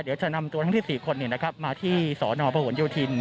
เดี๋ยวจะนำตัวทั้งที่๔คนมาที่ศภโยธินทร์